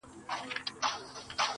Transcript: ائینه زړونه درواغ وایي چي نه مرو.